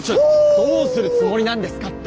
どうするつもりなんですかって！